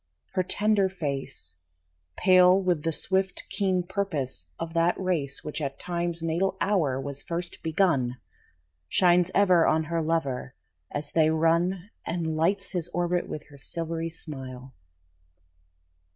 Her tender face, Pale with the swift, keen purpose of that race Which at Time's natal hour was first begun, Shines ever on her lover as they run And lights his orbit with her silvery smile.